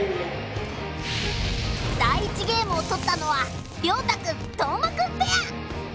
第１ゲームを取ったのは凌大くん斗真くんペア！